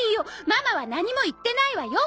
ママは何も言ってないわよ。